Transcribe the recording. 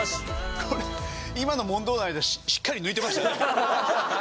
これ今の問答内でしっかり抜いてましたね。